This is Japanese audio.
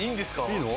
いいの？